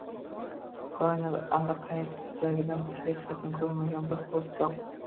koinotning allaqaysi burchagida biz hech qachon ko‘rmagan bir qo‘zichoq